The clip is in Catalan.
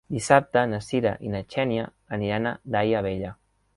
Dissabte na Cira i na Xènia aniran a Daia Vella.